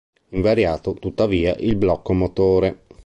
Invariato, tuttavia, il blocco motore.